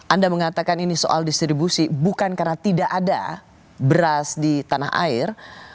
anda mengatakan ini soal distribusi bukan karena tidak ada beras di tanah air